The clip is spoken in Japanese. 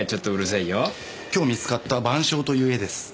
今日見つかった『晩鐘』という絵です。